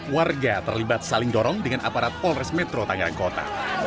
warga terlibat saling dorong dengan aparat polres metro tangerang kota